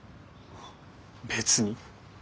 別に。